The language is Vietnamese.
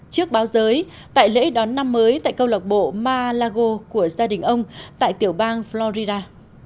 trước báo giới tại lễ đón năm mới tại câu lạc bộ mar a lago của gia đình ông tại tiểu bang florida